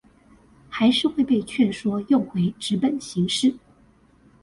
還是會被勸說用回紙本形式